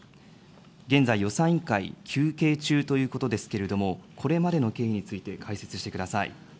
現在、予算委員会、休憩中ということですけれども、これまでの経緯について解説してください。